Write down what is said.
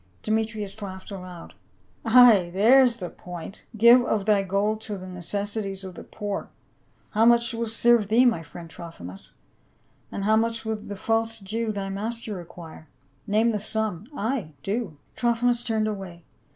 Demetrius laughed aloud. " Ay ! there's the point !' Give of thy gold to the necessities of the poor.' How much will serve thee, my friend Trophi mus ? and how much will the false Jew, thy master, require? Name the sum. — Ay, do !" Trophimus turned away.